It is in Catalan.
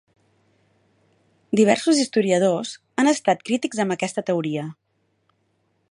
Diversos historiadors han estat crítics amb aquesta teoria.